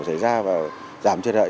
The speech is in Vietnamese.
xảy ra và giảm trời đợi